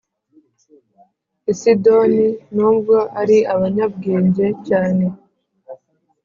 I Sidoni nubwo ari abanyabwenge cyane